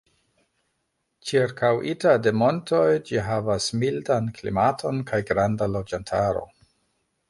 Ĉirkaŭita de montoj, ĝi havas mildan klimaton kaj granda loĝantaro.